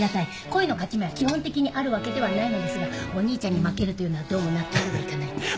恋の勝ち目は基本的にあるわけではないのですがお兄ちゃんに負けるというのはどうも納得がいかないというか。